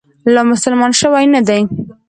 لا مسلمان شوی نه دی.